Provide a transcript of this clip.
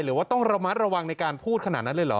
หรือว่าต้องระมัดระวังในการพูดขนาดนั้นเลยเหรอ